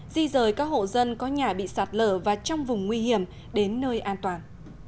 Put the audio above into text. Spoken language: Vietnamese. di rời các hộ dân có nhà bị sạt lở và trong vùng nguy hiểm đến nơi an toàn